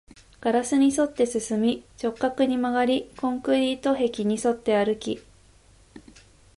ガラスに沿って進み、直角に曲がり、コンクリート壁に沿って歩き